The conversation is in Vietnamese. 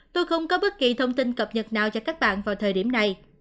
tôi không có bất kỳ thông tin cập nhật nào cho các bạn vào thời điểm này